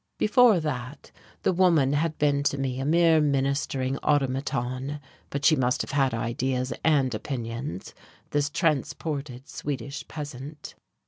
Before that the woman had been to me a mere ministering automaton. But she must have had ideas and opinions, this transported Swedish peasant....